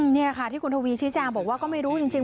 นี่ค่ะที่คุณทวีชี้แจงบอกว่าก็ไม่รู้จริง